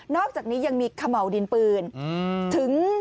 นอกจากนี้ยังมีขะเหมาดินปืน